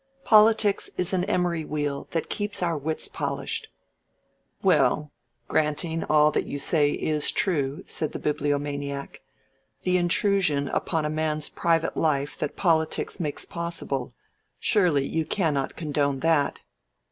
Politics is an emery wheel that keeps our wits polished." "Well, granting all that you say is true," said the Bibliomaniac, "the intrusion upon a man's private life that politics makes possible surely you cannot condone that."